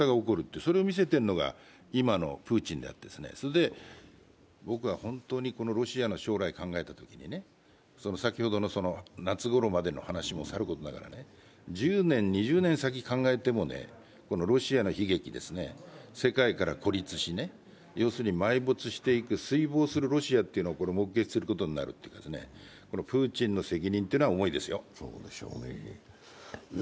それを見せているのが今のプーチンであって、それで本当にロシアの将来を考えたときに先ほどの夏ごろまでの話もさることながら、１０年、２０年先のことを考えてもロシアの悲劇、世界から孤立し埋没していく、衰亡するロシアを目撃することになるというか、プーチンの責任というのは重いですよ。